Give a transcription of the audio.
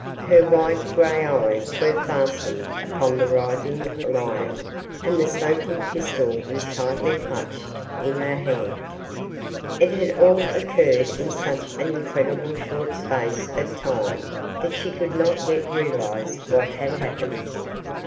Her wide gray eyes were fastened upon the writhing lion and the smoking pistol was tightly clutched in her hand. It had all occurred in such an incredible short space of time that she could not yet realize what had happened.